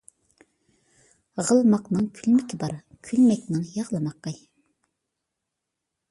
غلىماقنىڭ كۈلمىكى بار، كۈلمەكنىڭ يىغلىمىقى.